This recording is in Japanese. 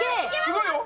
すごいよ。